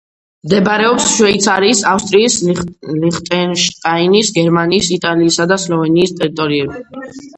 მდებარეობს შვეიცარიის, ავსტრიის, ლიხტენშტაინის, გერმანიის, იტალიისა და სლოვენიის ტერიტორიებზე.